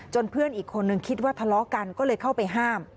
เพื่อนอีกคนนึงคิดว่าทะเลาะกันก็เลยเข้าไปห้าม